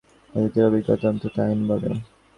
অতীতের অভিজ্ঞতা অন্তত তা ই বলে।